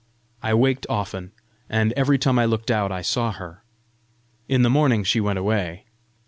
I waked often, and every time I looked out, I saw her. In the morning she went away."